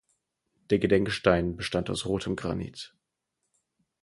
Der Gedenkstein bestand aus rotem Granit.